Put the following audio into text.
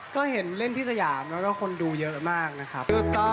ก็เห็นเล่นที่สยามแล้วก็คนดูเยอะมากนะครับ